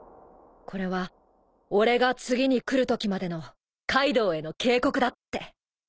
「これは俺が次に来るときまでのカイドウへの警告だ」って。